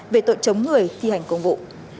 về tội chống người thi hành công vụ